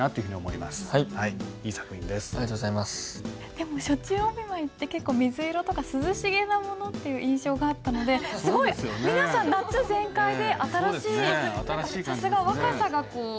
でも暑中お見舞いって結構水色とか涼しげなものという印象があったのですごい皆さん夏全開で新しいさすが若さがあふれてますよね。